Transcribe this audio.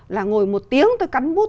là ngồi một tiếng tôi cắn bút